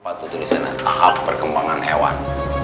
apa tuh tulisannya tahap perkembangan hewan